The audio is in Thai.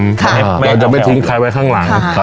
เราจะไม่ทิ้งใครไว้ข้างหลัง